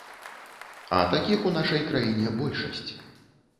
А такіх у нашай краіне большасць.